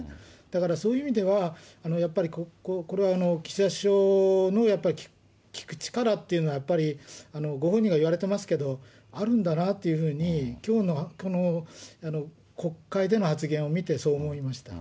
だから、そういう意味では、やっぱりこれは岸田首相の聞く力っていうのはやっぱり、ご本人が言われてますけど、あるんだなというふうに、きょうのこの国会での発言を見て、そう思いました。